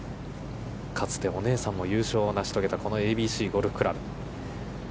かつてお姉さんも優勝をなし遂げたこのＡＢＣゴルフ倶楽部。